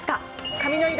髪の色！